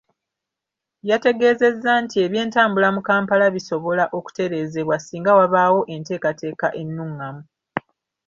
Yategeezezza nti ebyentambula mu Kampala bisobola okutereezebwa singa wabaawo enteekateeka ennung’amu.